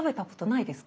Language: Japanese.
ないです。